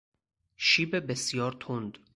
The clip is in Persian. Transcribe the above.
شیب بسیار تند